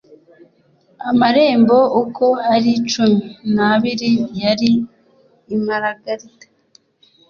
amarembo uko ari cumi n abiri yari imaragarita